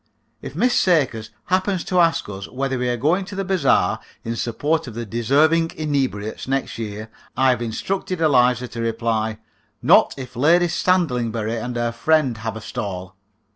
If Miss Sakers happens to ask us whether we are going to the bazaar in support of the Deserving Inebriates next year, I have instructed Eliza to reply: "Not if Lady Sandlingbury and her friend have a stall."